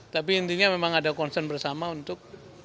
tapi intinya memang ada concern bersama untuk